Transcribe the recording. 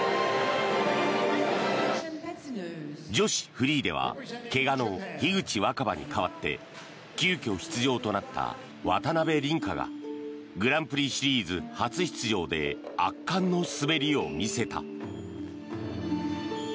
女子フリーでは怪我の樋口新葉に代わって急きょ出場となった渡辺倫果がグランプリシリーズ初出場で圧巻の滑りを見せた。